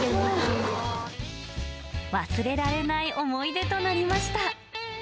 忘れられない思い出となりました。